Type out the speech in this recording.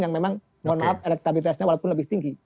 yang memang mohon maaf elektabilitasnya walaupun lebih tinggi